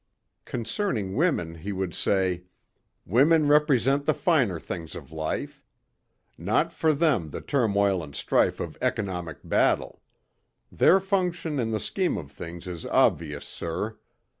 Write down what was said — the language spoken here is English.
Concerning women he would say: "Women represent the finer things of life. Not for them the turmoil and strife of economic battle. Their function in the scheme of things is obvious, sir.